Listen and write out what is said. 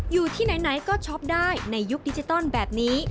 อยู่ที่ไหนก็ช็อปได้ในยุคดิจิตอลแบบนี้